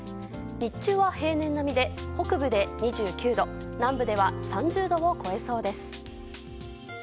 日中は平年並みで、北部で２９度南部では３０度を超えそうです。